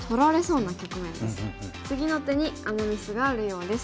次の手にアマ・ミスがあるようです。